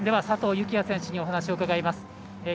佐藤幸椰選手にお話を伺います。